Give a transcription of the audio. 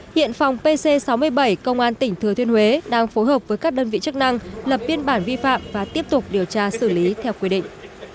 hiện phòng pc sáu mươi bảy công an tỉnh thừa thiên huế đang phối hợp với các đơn vị chức năng lập biên bản vi phạm và tiếp tục điều tra xử lý theo quy định